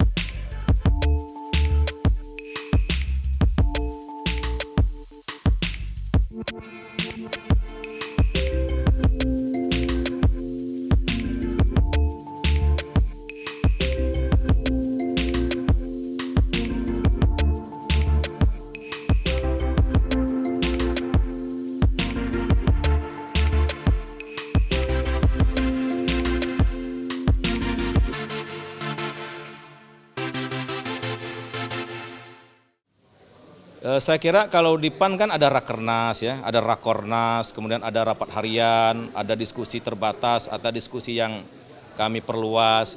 saya kira kalau di pan kan ada rakernas ada rakornas kemudian ada rapat harian ada diskusi terbatas ada diskusi yang kami perluas